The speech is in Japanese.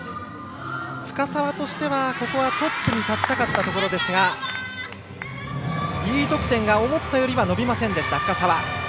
深沢としては、ここはトップに立ちたかったところですがＥ得点が思ったより伸びませんでした、深沢。